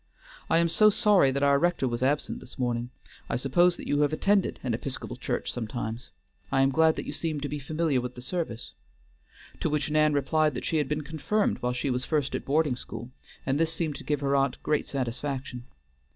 "I am so sorry that our rector was absent this morning. I suppose that you have attended an Episcopal church sometimes; I am glad that you seem to be familiar with the service;" to which Nancy replied that she had been confirmed while she was first at boarding school, and this seemed to give her aunt great satisfaction.